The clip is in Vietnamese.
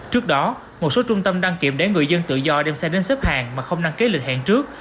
trước đó một số trung tâm đăng kiểm để người dân tự do đem xe đến xếp hàng mà không đăng ký lịch hẹn trước